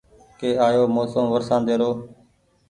ڪي آيو موسم ورشاندي رو